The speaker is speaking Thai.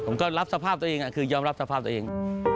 ผมก็รับสภาพตัวเองคือยอมรับสภาพตัวเอง